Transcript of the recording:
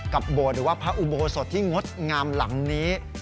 โบสถ์หรือว่าพระอุโบสถที่งดงามหลังนี้